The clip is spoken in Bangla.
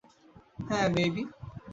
হ্যা, বেবি!